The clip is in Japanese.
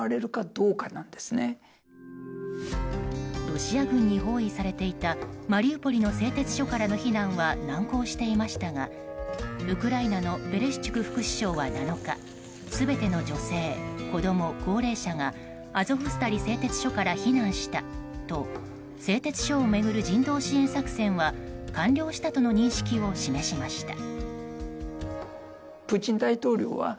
ロシア軍に包囲されていたマリウポリの製鉄所からの避難は難航していましたがウクライナのベレシュチュク副首相は７日全ての女性、子供、高齢者がアゾフスタリ製鉄所から避難したと製鉄所を巡る人道支援作戦は完了したとの認識を示しました。